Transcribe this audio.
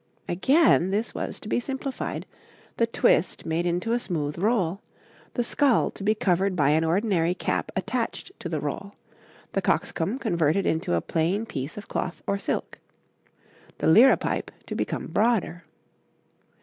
Again this was to be simplified: the twist made into a smooth roll, the skull to be covered by an ordinary cap attached to the roll, the cockscomb converted into a plain piece of cloth or silk, the liripipe to become broader.